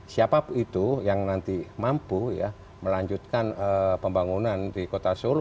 siapa itu yang nanti mampu ya melanjutkan pembangunan di kota solo